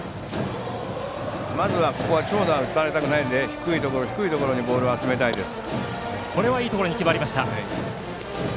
まずはここは長打を打たれたくないので低めにボールを集めたいです。